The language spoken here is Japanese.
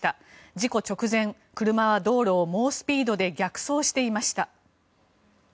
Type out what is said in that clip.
事故直前、車は道路を猛スピードで逆走していました。